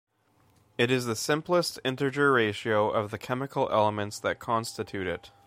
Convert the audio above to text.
It is the simplest integer ratio of the chemical elements that constitute it.